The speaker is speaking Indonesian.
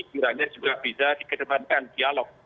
kiranya juga bisa dikedepankan dialog